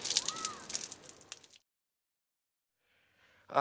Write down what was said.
あ。